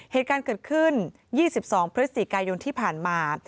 เหตุการณ์เกิดขึ้น๒๒พฤศจิกายนที่ผ่านมา